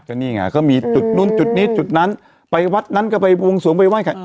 ก็นี่ไงก็มีจุดนู้นจุดนี้จุดนั้นไปวัดนั้นก็ไปวงสวงไปไห้ใคร